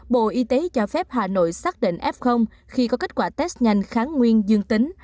bộ y tế cho phép hà nội xác định f khi có kết quả test nhanh kháng nguyên dương tính